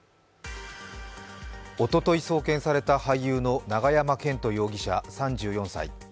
おととい送検された俳優の永山絢斗容疑者３４歳。